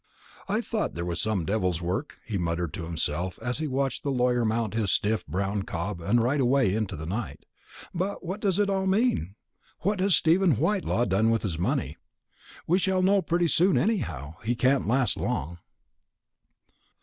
"I thought there was some devil's work," he muttered to himself, as he watched the lawyer mount his stiff brown cob and ride away into the night; "but what does it all mean? and what has Stephen Whitelaw done with his money? We shall know that pretty soon, anyhow. He can't last long."